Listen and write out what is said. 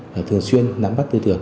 và thường xuyên nắm mắt tư tưởng